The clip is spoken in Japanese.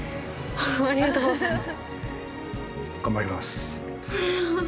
ありがとうございます！